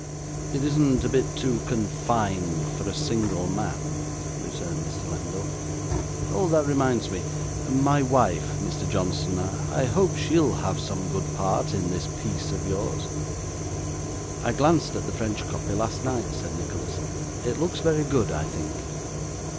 'It isn't a bit too confined for a single man,' returned Mr. Lenville. 'That reminds me, my wife, Mr. Johnson, I hope she'll have some good part in this piece of yours?' 'I glanced at the French copy last night,' said Nicholas. 'It looks very good, I think.